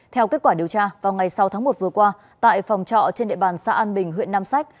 theo kết quả điều tra vào ngày sáu tháng một vừa qua tại phòng trọ trên địa bàn xã an bình huyện nam sách